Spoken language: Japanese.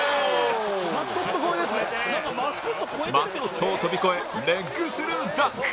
マスコットを跳び越えレッグスルーダンク